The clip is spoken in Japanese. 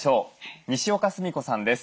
にしおかすみこさんです。